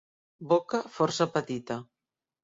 Boca força petita.